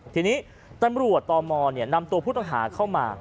ทีนี้ตำรวจตมนำตัวผู้ต้องหาเข้ามา